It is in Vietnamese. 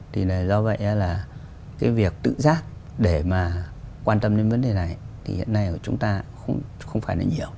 thì là do vậy là cái việc tự giác để mà quan tâm đến vấn đề này thì hiện nay của chúng ta không phải là nhiều